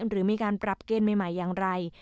หรือมีการปรับเกณฑ์ใหม่อย่างไร